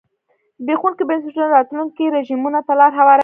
زبېښونکي بنسټونه راتلونکو رژیمونو ته لار هواروي.